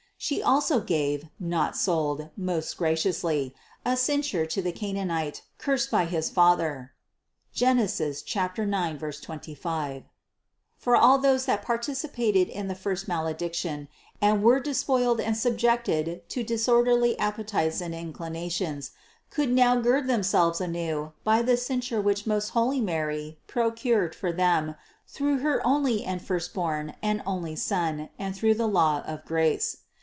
She also gave, not sold, most graciously, a cincture to the Chan anite, cursed by his father (Gen. 9, 25) ; for all those that participated in the first malediction and were de spoiled and subjected to disorderly appetites and inclina tions, could now gird themselves anew by the cincture which most holy Mary procured for them through her only and firstborn and only Son and through the law of grace.